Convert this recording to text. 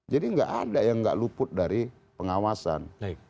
jadi nggak ada yang nggak luput dari pengawasan